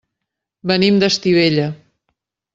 Venim d'Estivella.